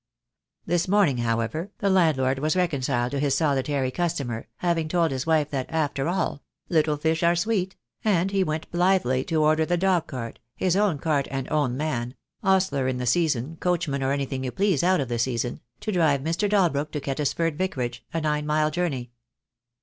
This morning, however, the landlord was reconciled to his solitary customer, having told his wife that after all, "little fish are sweet," and he went blithely to order the dog cart — his own cart and own man — ostler in the season, coach man or anything you please out of the season — to drive Mr. Dalbrook to Kettisford Vicarage, a nine mile journey.